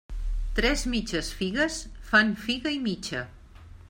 Tres mitges figues fan figa i mitja.